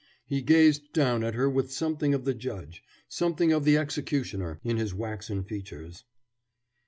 He gazed down at her with something of the judge, something of the executioner, in his waxen features.